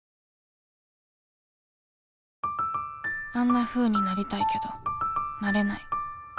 あんなふうになりたいけどなれない